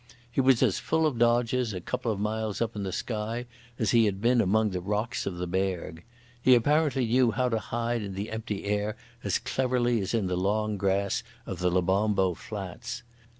He was as full of dodges a couple of miles up in the sky as he had been among the rocks of the Berg. He apparently knew how to hide in the empty air as cleverly as in the long grass of the Lebombo Flats.